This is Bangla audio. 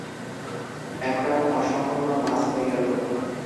একটা অসম্পূর্ণ পাস হয়ে গেল।